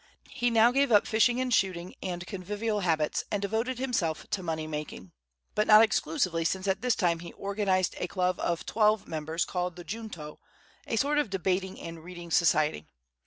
He now gave up fishing and shooting, and convivial habits, and devoted himself to money making; but not exclusively, since at this time he organized a club of twelve members, called the "Junto," a sort of debating and reading society.